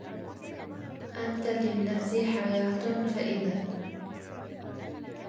أنت للنفس حياة فإذا